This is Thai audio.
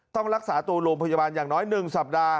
ต้องรักษาตัวโรงพยาบาลอย่างน้อย๑สัปดาห์